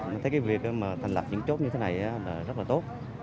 mình thấy việc thành lập những chốt như thế này rất là tốt